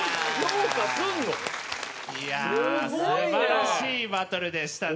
いやあすばらしいバトルでしたね。